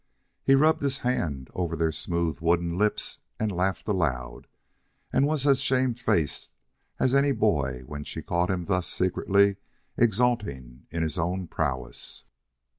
He rubbed his hand over their smooth wooden lips and laughed aloud, and was as shamefaced as any boy when she caught him thus secretly exulting in his own prowess.